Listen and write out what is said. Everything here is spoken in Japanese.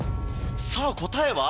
さぁ答えは？